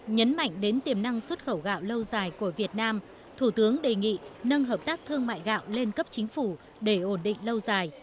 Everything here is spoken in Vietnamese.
nhấn mạnh đến tiềm năng xuất khẩu gạo lâu dài của việt nam thủ tướng đề nghị nâng hợp tác thương mại gạo lên cấp chính phủ để ổn định lâu dài